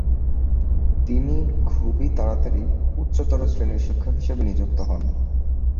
তিনি খুবই তাড়াতাড়ি উচ্চতর শ্রেণীর শিক্ষক হিসেবে নিযুক্ত হন।